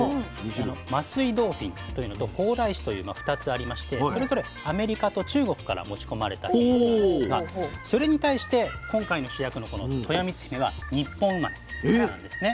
桝井ドーフィンというのと蓬莱柿という２つありましてそれぞれアメリカと中国から持ち込まれたということなんですがそれに対して今回の主役のこのとよみつひめは日本生まれになるんですね。